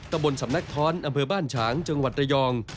ตะบนสำนักท้อนอำเภอบ้านฉางจังหวัดระยอง